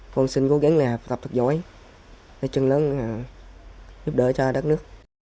con xin cố gắng làm học tập thật giỏi để chân lớn giúp đỡ cho đất nước